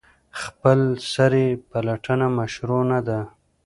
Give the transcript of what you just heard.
خپلسري پلټنه مشروع نه ده.